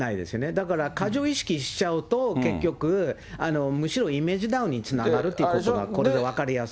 だから過剰意識しちゃうと、結局、むしろイメージダウンにつながるということが、これで分かりやすい。